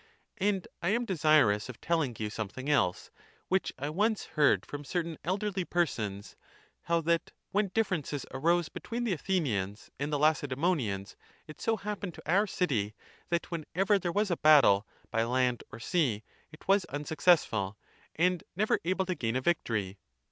[19.] And I am desirous of telling you something else, which I once heard from certain elderly persons, how that, when differences arose between the Athenians and the Lacedamonians, it so hap pened to our city, that whenever there was a battle, by land or sea, it was unsuccessful, and never able to gain a victory.